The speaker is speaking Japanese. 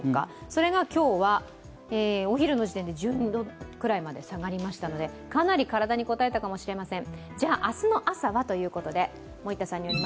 それが今日はお昼くらいに１２度くらいまで下がりましたのでかなり体にこたえたかもしれません。